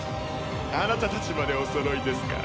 あなたたちまでおそろいですか。